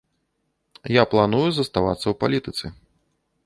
Я планую заставацца ў палітыцы.